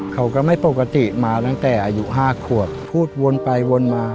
เขาก็ไม่ปกติมาตั้งแต่อายุ๕ขวบพูดวนไปวนมา